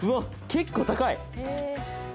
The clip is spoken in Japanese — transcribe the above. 結構高い！